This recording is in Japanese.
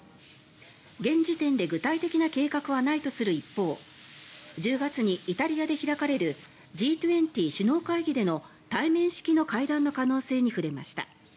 現時点で具体的な計画はないとする一方１０月にイタリアで開かれるＧ２０首脳会議での対面式の会談の可能性に触れました。